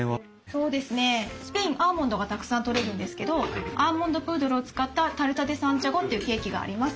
そうですねスペインアーモンドがたくさん取れるんですけどアーモンドプードルを使ったタルタ・デ・サンチャゴというケーキがあります。